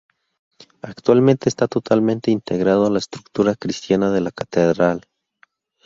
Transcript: Actualmente está totalmente integrado en la estructura cristiana de la catedral.